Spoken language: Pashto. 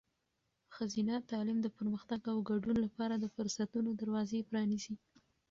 ښځینه تعلیم د پرمختګ او ګډون لپاره د فرصتونو دروازې پرانیزي.